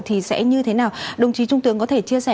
thì sẽ như thế nào đồng chí trung tướng có thể chia sẻ